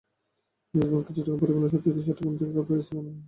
মেজবানকে চট্টগ্রামের পরিপূর্ণ স্বাদ দিতে চট্টগ্রাম থেকে খাবারের রেসিপি আনা হয়।